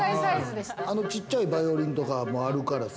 あの小っちゃいバイオリンとかもあるからさ。